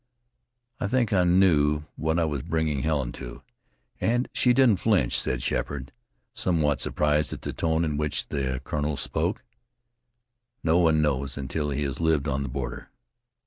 "I think I knew what I was bringing Helen to, and she didn't flinch," said Sheppard, somewhat surprised at the tone in which the colonel spoke. "No one knows until he has lived on the border.